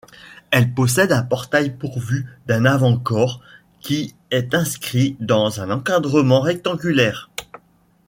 Elle possède un portail pourvu d'un avant-corps qui est inscrit dans un encadrement rectangulaire.